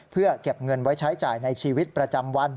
เพื่อเก็บเงินไว้ใช้จ่ายในชีวิตประจำวัน